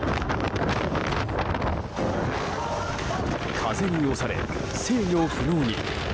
風に押され制御不能に。